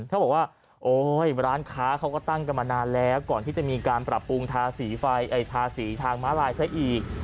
เขาบอกว่าโอ๊ยร้านค้าเขาก็ตั้งกันมานานแล้วก่อนที่จะมีการปรับปรุงทาสีไฟทาสีทางม้าลายซะอีก